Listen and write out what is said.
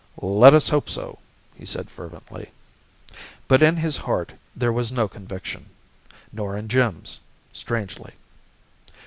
"Let us hope so!" he said fervently. But in his heart there was no conviction, nor in Jim's, strangely.